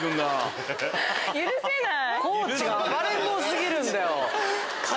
許せない！